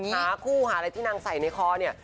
หาคู่หาอะไรที่นางใส่ในคอเนี่ย